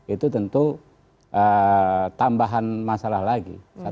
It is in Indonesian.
itu tentu tambahan masalah lagi